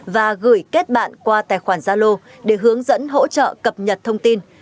và gửi kết bạn qua tài khoản gia lô để hướng dẫn hỗ trợ cập nhật thông tin